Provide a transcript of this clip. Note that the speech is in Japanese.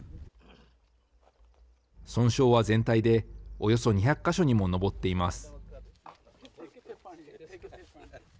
損傷は全体でおよそ２００か所にも上っています。